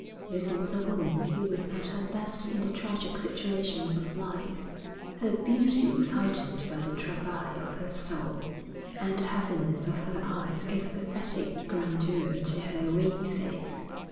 Lucy was a woman who was at her best in the tragic situations of life; her beauty was heightened by the travail of her soul, and the heaviness of her eyes gave a pathetic grandeur to her wan face.